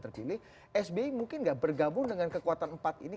terpilih sby mungkin nggak bergabung dengan kekuatan empat ini